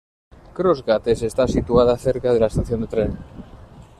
Cross Gates está situada cerca de la estación de tren.